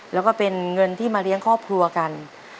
แล้วก็เป็นเงินที่มาเลี้ยงครอบครัวกัน